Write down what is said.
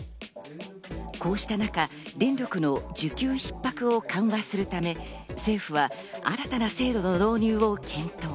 こうした中、電力の需給ひっ迫を緩和するため、政府は新たな制度の導入を検討。